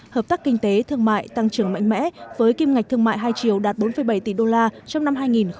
hợp tác kinh tế thương mại tăng trưởng mạnh mẽ với kim ngạch thương mại hai triệu đạt bốn bảy tỷ đô la trong năm hai nghìn một mươi chín